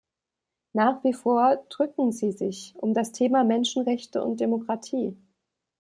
Nach wie vor drücken sie sich um das Thema Menschenrechte und Demokratie.